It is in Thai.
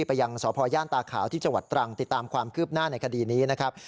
ไปยังสพย่านตาขาวที่จังหวัดตรังติดตามความคืบหน้าในคดีนี้นะครับ